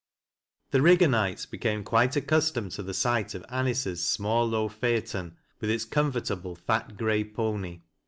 §7 The Rigganites became quite accustomed to the sight ol Anice's small low phaeton, with its comfortable fat gray pony.